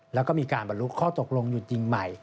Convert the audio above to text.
แล้วก็มีการบรรลุข้อตกลงหยุดยิงใหม่